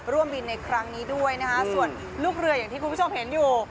ร่วมบินในครั้งนี้ด้วยนะคะส่วนลูกเรืออย่างที่คุณผู้ชมเห็นอยู่